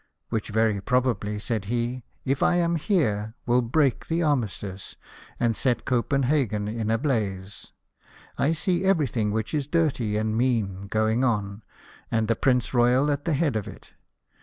" Which very probably," said he, "if I am here, will break the armistice, and set Copenhagen in a blaze. I see everything which is dirty and mean going on, and the Prince Royal at the head of it.